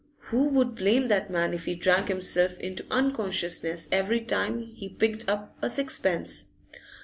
Who would blame that man if he drank himself into unconsciousness every time he picked up a sixpence?